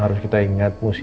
harus kita ingat mu sih